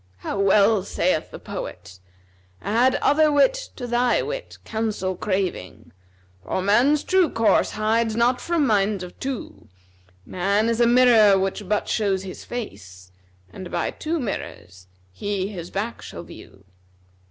How well saith the poet, 'Add other wit to thy wit, counsel craving, * For man's true course hides not from minds of two Man is a mirror which but shows his face, * And by two mirrors he his back shall view.'